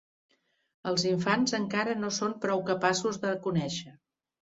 Els infants encara no són prou capaços de conèixer.